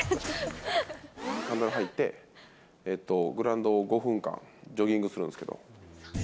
サンダル履いて、グラウンドを５分間、ジョギングするんですけど。